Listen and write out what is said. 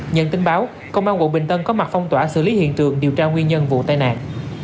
nhận tin báo công an quận bình tân có mặt phong tỏa xử lý hiện trường điều tra nguyên nhân vụ tai nạn